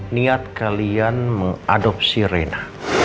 niat kalian mengadopsi rena